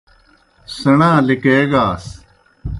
سیْݨا لِکیگاس۔